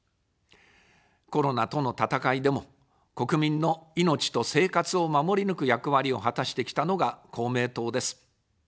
コロナとの闘いでも、国民の命と生活を守り抜く役割を果たしてきたのが公明党です。